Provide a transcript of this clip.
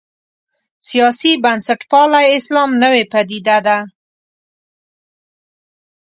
سیاسي بنسټپالی اسلام نوې پدیده ده.